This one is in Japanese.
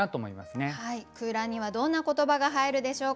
空欄にはどんな言葉が入るでしょうか。